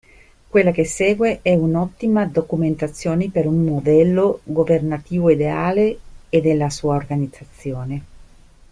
Quella che segue è un'ottima documentazione per un modello governativo ideale e della sua organizzazione.